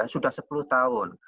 sudah sepuluh tahun